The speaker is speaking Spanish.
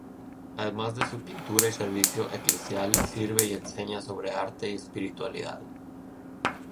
Además de su pintura y servicio eclesial, escribe y enseña sobre arte y espiritualidad.